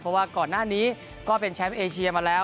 เพราะว่าก่อนหน้านี้ก็เป็นแชมป์เอเชียมาแล้ว